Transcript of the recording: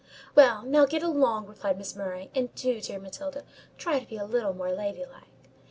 "Well, now get along," replied Miss Murray; "and do, dear Matilda, try to be a little more lady like.